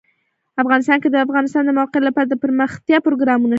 افغانستان کې د د افغانستان د موقعیت لپاره دپرمختیا پروګرامونه شته.